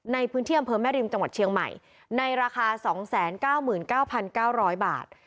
ในพื้นที่อำเภอแม่ริมจังหวัดเชียงใหม่ในราคา๒๙๙๙๙๐๐บาท